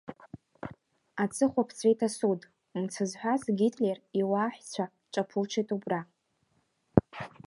Аҵыхәа ԥҵәеит асуд, мцы зҳәаз Гитлер иуааҳәцәа ҿаԥуҽит убра.